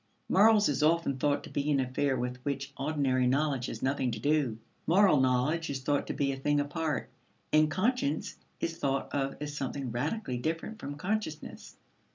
Morals is often thought to be an affair with which ordinary knowledge has nothing to do. Moral knowledge is thought to be a thing apart, and conscience is thought of as something radically different from consciousness.